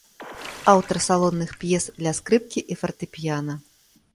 Аўтар салонных п'ес для скрыпкі і фартэпіяна.